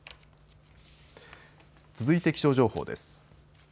続いて気象情報です。